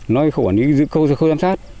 nói khâu quản lý cái dự khâu cái khâu giám sát